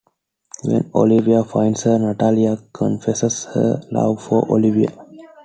When Olivia finds her Natalia confesses her love for Olivia.